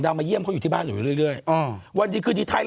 ดรอาจองอ่ะรอ